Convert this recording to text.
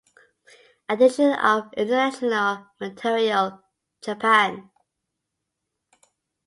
Edition of International Material - Japan.